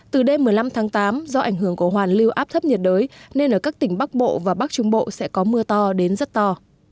từ đêm một mươi năm tháng tám do ảnh hưởng của hoàn lưu áp thấp nhiệt đới nên ở các tỉnh bắc bộ và bắc trung bộ sẽ có mưa to đến rất to